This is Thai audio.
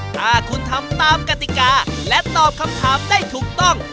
ถ้าคุณทำตามกติกาและตอบคำถามได้ถูกต้อง